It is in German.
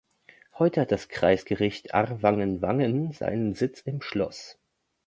Heute hat das Kreisgericht Aarwangen-Wangen seinen Sitz im Schloss.